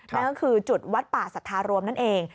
นั่นก็คือจุดวัดป่าสัทธารวมนั่นเอง